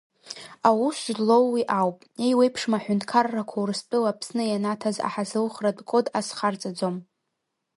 Аус злоу уи ауп, еиуеиԥшым аҳәынҭқаррақәа Урыстәыла Аԥсны ианаҭаз аҳазылхратә код азхарҵаӡом.